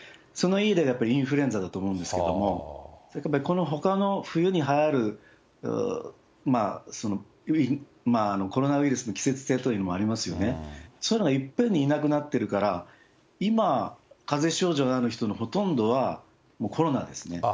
そのいい例がやっぱりインフルエンザだと思うんですけれども、このほかの冬にはやるコロナウイルスの季節性というのもありますよね、そういうのがいっぺんにいなくなってるから、今、かぜ症状のある人のほとんどは、もうコロナですね。